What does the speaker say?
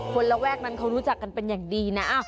ระแวกนั้นเขารู้จักกันเป็นอย่างดีนะ